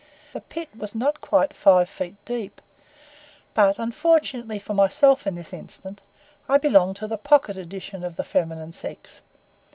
The pit was not quite five feet deep, but, unfortunately for myself in this instance, I belong to the pocket edition of the feminine sex.